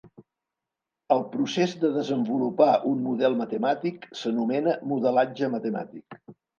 El procés de desenvolupar un model matemàtic s'anomena modelatge matemàtic.